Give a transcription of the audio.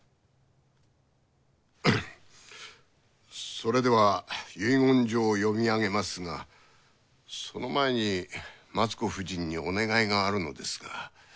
それでは遺言状を読み上げますがその前に松子夫人にお願いがあるのですが。